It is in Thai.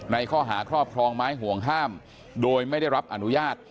ในข้อหาครอบครองไม้ห่วงห้ามโดยไม่ได้รับอนุญาต